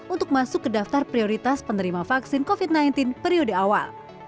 untuk masuk ke daftar prioritas penerima vaksin covid sembilan belas periode awal